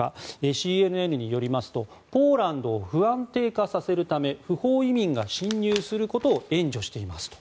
ＣＮＮによりますとポーランドを不安定化させるため不法移民が侵入することを援助していますと。